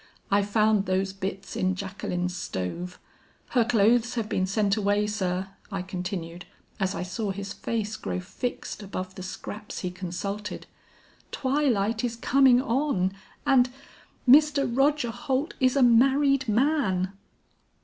'I found those bits in Jacqueline's stove. Her clothes have been sent away, sir,' I continued as I saw his face grow fixed above the scraps he consulted. 'Twilight is coming on and Mr. Roger Holt is a married man!'